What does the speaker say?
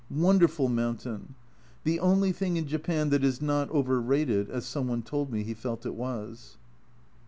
Wonderful mountain! " The only thing in Japan that is not overrated," as some one told me he felt it was.